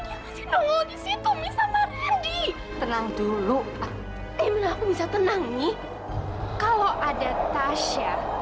dia masih nongol disitu bisa merendi tenang dulu aku bisa tenang nih kalau ada tasya